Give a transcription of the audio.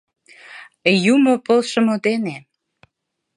Юмо полшымо дене.